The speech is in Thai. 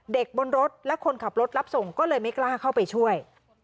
บนรถและคนขับรถรับส่งก็เลยไม่กล้าเข้าไปช่วย